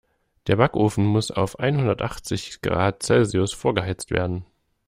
Der Backofen muss auf einhundertachzig Grad Celsius vorgeheizt werden.